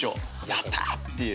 やったっていう。